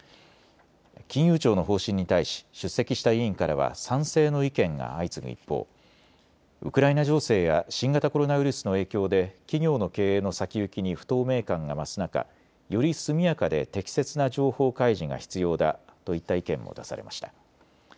金融庁の方針に対し出席した委員からは賛成の意見が相次ぐ一方、ウクライナ情勢や新型コロナウイルスの影響で企業の経営の先行きに不透明感が増す中、より速やかで適切な情報開示が必要だといった意見も出されました。